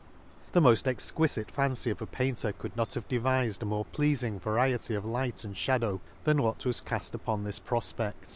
The moft exquifite fancy of a painter could not have devized a more pleafing variety of light and fha4 dow, than what was call upon this pro fped.